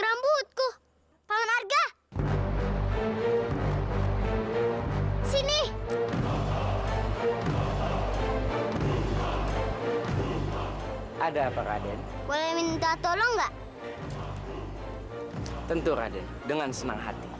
rambutku pak narga sini ada apa raden boleh minta tolong nggak tentu raden dengan senang hati